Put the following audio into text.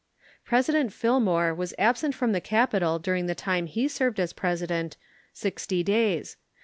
President Fillmore was absent from the capital during the time he served as President sixty days.